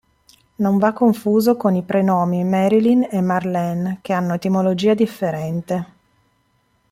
Non va confuso con i prenomi Marilyn e Marlene, che hanno etimologia differente.